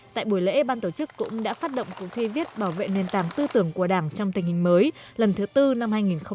tại buổi lễ ban tổ chức cũng đã phát động cuộc thi viết bảo vệ nền tảng tư tưởng của đảng trong tình hình mới lần thứ bốn năm hai nghìn hai mươi bốn hai nghìn hai mươi năm